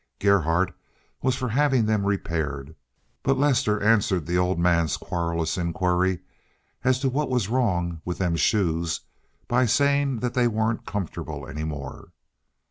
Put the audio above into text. Gerhardt was for having them repaired, but Lester answered the old man's querulous inquiry as to what was wrong "with them shoes" by saying that they weren't comfortable any more.